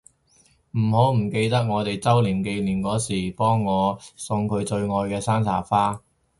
唔好唔記得我哋週年紀念嗰時幫我送佢最愛嘅山茶花